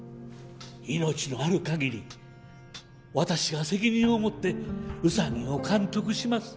命のある限り私が責任を持ってウサギを監督します。